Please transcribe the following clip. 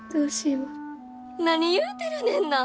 何言うてるねんな！